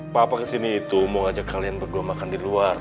papa kesini itu mau ajak kalian berdua makan di luar